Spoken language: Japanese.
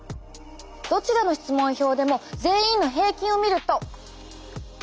どちらの質問票でも全員の平均を見ると。